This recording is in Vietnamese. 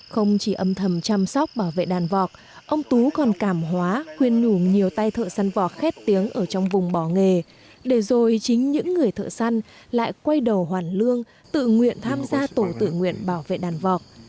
không chỉ âm thầm chăm sóc bảo vệ đàn vọc ông tú còn cảm hóa khuyên nhủ nhiều tay thợ săn vọt khét tiếng ở trong vùng bỏ nghề để rồi chính những người thợ săn lại quay đầu hoàn lương tự nguyện tham gia tổ tự nguyện bảo vệ đàn vọc